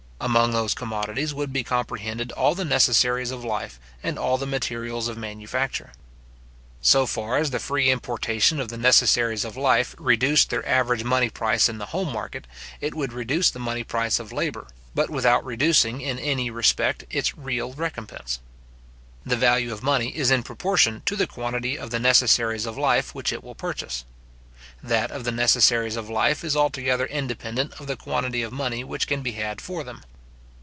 Among those commodities would be comprehended all the necessaries of life, and all the materials of manufacture. So far as the free importation of the necessaries of life reduced their average money price in the home market, it would reduce the money price of labour, but without reducing in any respect its real recompence. The value of money is in proportion to the quantity of the necessaries of life which it will purchase. That of the necessaries of life is altogether independent of the quantity of money which can be had for them.